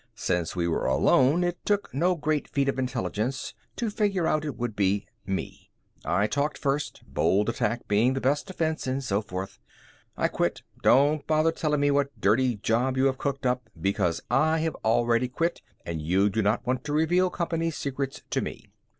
Since we were alone, it took no great feat of intelligence to figure it would be me. I talked first, bold attack being the best defense and so forth. "I quit. Don't bother telling me what dirty job you have cooked up, because I have already quit and you do not want to reveal company secrets to me."